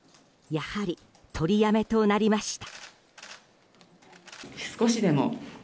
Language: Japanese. やはり取りやめとなりました。